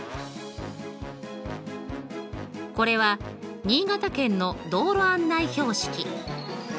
これは新潟県の道路案内標識。